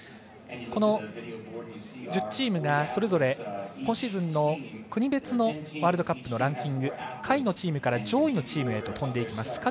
この１０チームがそれぞれ今シーズンの国別のワールドカップのランキング下位のチームから上位のチームで飛んでいきます。